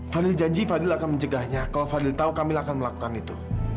fadil janji fadil akan menjegahnya kalau fadil tahu kamila akan melakukan itu